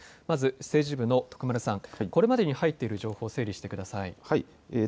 まず政治部の徳丸さん、これまでに入っている情報を整理してください。